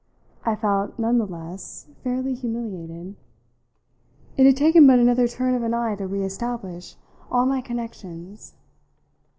I felt, none the less, fairly humiliated. It had taken but another turn of an eye to re establish all my connections.